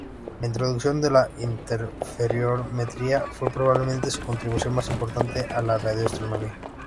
La introducción de la interferometría fue probablemente su contribución más importante a la radioastronomía.